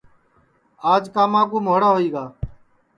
آج کاما کُو مھوڑا ہوئی گا